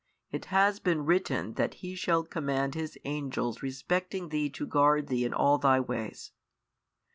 It has been written That He shall command His Angels respecting Thee to guard Thee in all Thy ways.